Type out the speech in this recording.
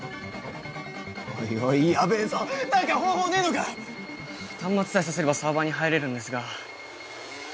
おいおいヤベェぞ何か方法ねえのか⁉端末さえ挿せればサーバーに入れるんですが。